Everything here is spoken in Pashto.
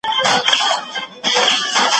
هغه پروګرامر چي ښه کوډ لیکي، په نړۍ کي منل سوی.